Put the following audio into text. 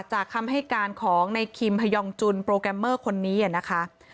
คำให้การของในคิมฮยองจุนโปรแกรมเมอร์คนนี้นะคะ